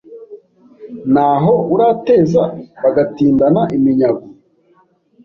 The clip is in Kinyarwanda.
Ntaho urateza bagatindana iminyago